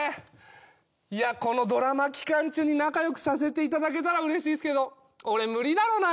いやこのドラマ期間中に仲良くさせていただけたらうれしいっすけど俺無理だろうな。